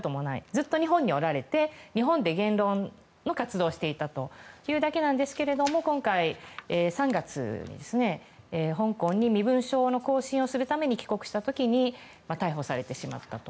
ずっと日本におられて日本で言論活動をしていたというだけですが今回、３月に香港に身分証の更新をするために帰国した時に逮捕されてしまったと。